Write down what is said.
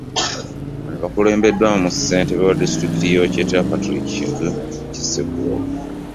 Bano bakulembeddwamu Ssentebe wa disitulikiti y'e Kyotera, Patrick Kintu Kisekulo